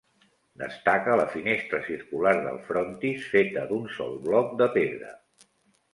Destaca la finestra circular del frontis feta d'un sol bloc de pedra.